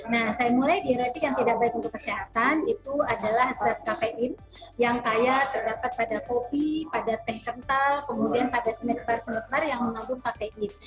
nah saya mulai dieretik yang tidak baik untuk kesehatan itu adalah zat kafein yang kaya terdapat pada kopi pada teh kental kemudian pada sneaker snekbar yang mengandung kafein